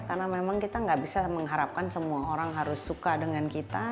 karena memang kita gak bisa mengharapkan semua orang harus suka dengan kita